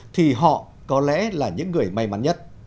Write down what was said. thì họ có lẽ là những người may mắn nhất